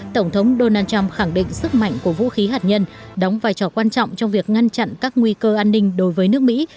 tổng thống donald trump khẳng định sức mạnh của vũ khí hạt nhân đóng vai trò quan trọng trong việc ngăn chặn các nguy cơ an ninh đối với nước mỹ